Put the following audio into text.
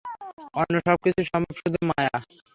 অন্য সব কিছুই স্বপ্ন, শুধু মায়া।